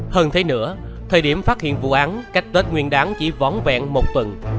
hơn thế nữa thời điểm phát hiện vụ án cách tết nguyên đáng chỉ võn vẹn một tuần